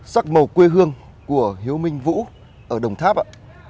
sắc màu quê hương của hiếu minh vũ ở đồng tháp ạ